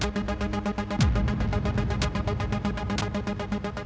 anda sudah lakukan sejarah selain yang boleh dihasilkannya